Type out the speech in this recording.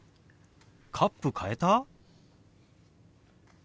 カップ変えた？